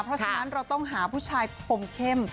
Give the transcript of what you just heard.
เพราะฉะนั้นเราต้องหาผู้ชายคมเข้ม